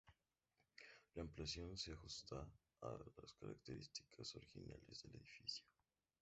La ampliación se ajusta a las características originales del edificio.